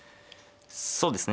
そうですね。